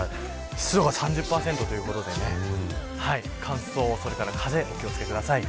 湿度は３０％ということで乾燥、風にお気を付けください。